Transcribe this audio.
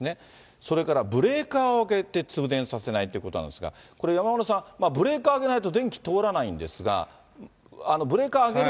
それからブレーカーを上げて通電させないということなんですが、これ、山村さん、ブレーカー上げないと、電気通らないんですが、ブレーカー上げる